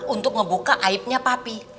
untuk ngebuka aibnya papi